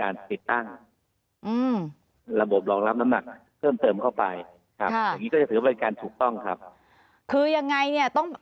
ระบบรองรับน้ำหนักเพิ่มเติมเข้าไปค่ะเช่นอย่างไรเนี่ย